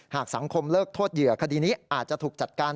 หากสังคมเลิกโทษเหยื่อคดีนี้อาจจะถูกจัดการ